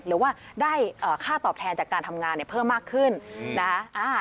หรือว่าได้ค่าตอบแทนจากการทำงานเนี่ยเพิ่มมากขึ้นนะคะ